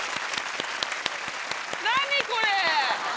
何これ。